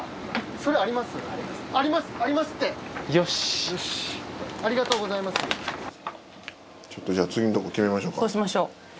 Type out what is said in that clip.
そうしましょう。